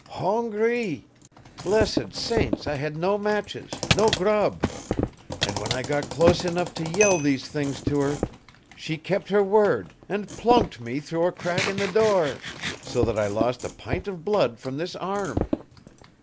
Hon gree! Blessed saints, I had no matches, no grub; and when I got close enough to yell these things to her, she kept her word and plunked me through a crack in the door, so that I lost a pint of blood from this arm."